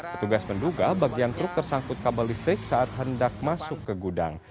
petugas menduga bagian truk tersangkut kabel listrik saat hendak masuk ke gudang